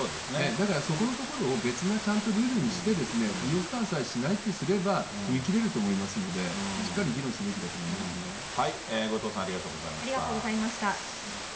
だからそこのところを別なちゃんとルールにして、費用負担さえしないとすれば、踏み切れると思いますので、しっか後藤さん、ありがとうございありがとうございました。